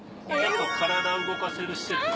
体動かせる施設に。